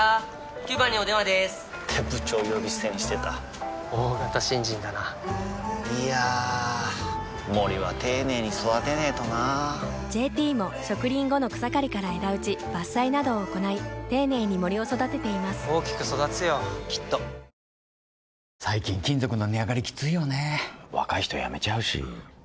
９番にお電話でーす！って部長呼び捨てにしてた大型新人だないやー森は丁寧に育てないとな「ＪＴ」も植林後の草刈りから枝打ち伐採などを行い丁寧に森を育てています大きく育つよきっと反プーチンを掲げロシア領内に攻撃を仕掛けた自由ロシア軍団。